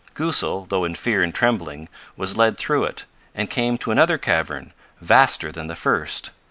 Goosal, though in fear and trembling, was lead through it, and came to another cavern, vaster than the first.